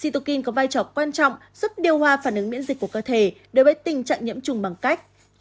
ditukin có vai trò quan trọng giúp điều hòa phản ứng miễn dịch của cơ thể đối với tình trạng nhiễm trùng bằng cách